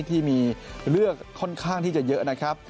ที่มีเรื่องลือข้อนข้างที่จะเยอะนะครับ